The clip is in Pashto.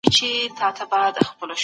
پاملرنه به دوام وکړي.